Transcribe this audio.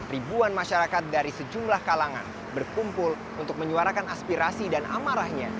ribuan masyarakat dari sejumlah kalangan berkumpul untuk menyuarakan aspirasi dan amarahnya